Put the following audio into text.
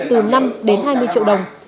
từ năm đến hai mươi triệu đồng